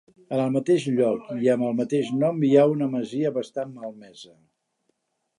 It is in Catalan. En el mateix lloc i amb el mateix nom hi ha una masia bastant malmesa.